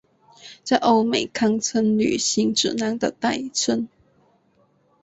在欧美堪称旅行指南的代称。